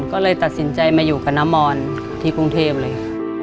ก็เลยตัดสินใจมาอยู่กับน้ำมอนที่กรุงเทพเลยค่ะ